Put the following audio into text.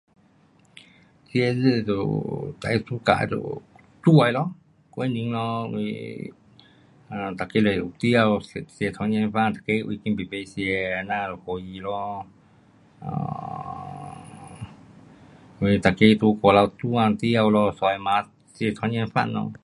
节日就有最 suka 就有煮的咯。过年咯因为大家有回家吃，吃团圆饭，大家围那排排吃那样就欢喜咯。um 因为大家在外头做工回家咯三十晚吃团圆饭咯。